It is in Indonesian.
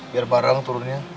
biar bareng turunnya